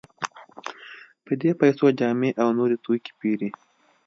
په دې پیسو جامې او نور توکي پېري.